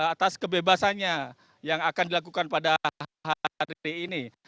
atas kebebasannya yang akan dilakukan pada hari ini